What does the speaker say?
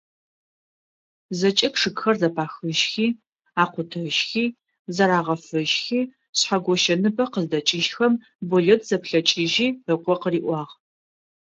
ЗэкӀэ чъыгхэр зэпахыжьхи, акъутэжьхи, зэрагъэфэжьхи, Шъхьэгощэ ныбэ къыздэкӀыжьхэм, Болэт зэплъэкӀыжьи ыкъо къыриӀуагъ.